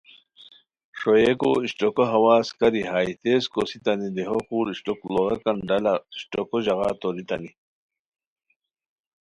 ݰوئیکو اشٹوکو ہواز کاری ہائے تیز کوسیتانی دیہو خور اشٹوک لوڑاکان ڈالہ اشٹوکو ژاغا توریتانی